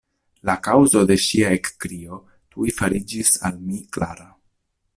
La kaŭzo de ŝia ekkrio tuj fariĝis al mi klara.